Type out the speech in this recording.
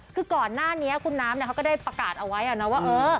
คือก่อนหน้านี้คุณน้ำเขาก็ได้ประกาศเอาไว้นะว่า